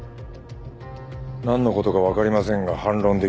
なんの事かわかりませんが反論できません。